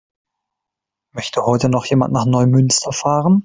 Möchte heute noch jemand nach Neumünster fahren?